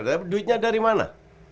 tapi duitnya dari mana